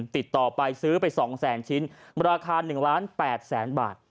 ติดต่อไปซื้อไป๒แสนชิ้นราคา๑ล้าน๘แสนบาท